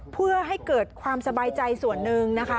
เพื่อให้เกิดความสบายใจส่วนหนึ่งนะคะ